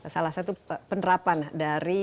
salah satu penerapan dari